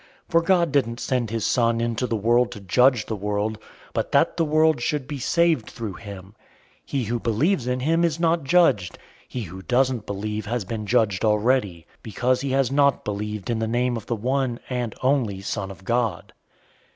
003:017 For God didn't send his Son into the world to judge the world, but that the world should be saved through him. 003:018 He who believes in him is not judged. He who doesn't believe has been judged already, because he has not believed in the name of the one and only Son of God.